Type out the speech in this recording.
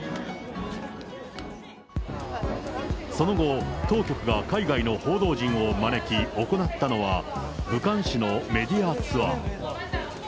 その後、当局が海外の報道陣を招き行ったのは、武漢市のメディアツアー。